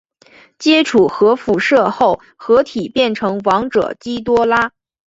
接触核辐射后合体变成王者基多拉。